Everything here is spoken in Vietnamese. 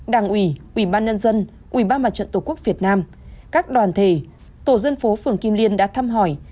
đảng ủy ủy ban nhân dân ủy ban mặt trận tổ quốc việt nam các đoàn thể tổ dân phố phường kim liên đã thăm hỏi